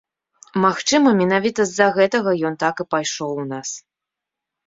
Магчыма, менавіта з-за гэтага ён так і пайшоў у нас.